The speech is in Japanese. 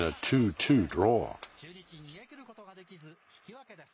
中日、逃げ切ることができず、引き分けです。